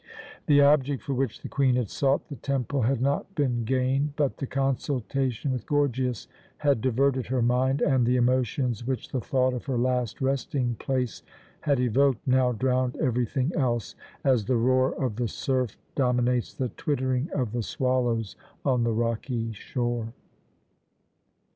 The object for which the Queen had sought the temple had not been gained; but the consultation with Gorgias had diverted her mind, and the emotions which the thought of her last resting place had evoked now drowned everything else, as the roar of the surf dominates the twittering of the swallows on the rocky shore.